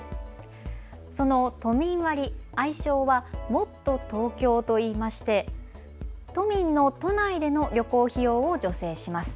その都民割、愛称はもっとＴｏｋｙｏといいまして、都民の都内での旅行費用を助成します。